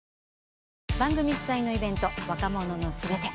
番組主催のイベント若者のすべて。